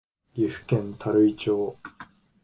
岐阜県垂井町